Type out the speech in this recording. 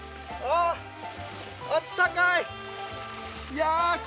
あ、あったかい！